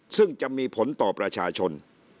ซึ่งจะมีผลต่อประชาชน